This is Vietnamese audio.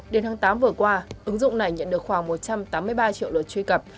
đến tháng tám vừa qua ứng dụng này nhận được khoảng một trăm tám mươi ba triệu lượt truy cập